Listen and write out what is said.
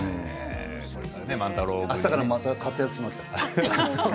あしたからまた活躍しますから。